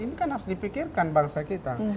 ini kan harus dipikirkan bangsa kita